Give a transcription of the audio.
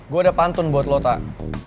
gua ada pantun buat lu tak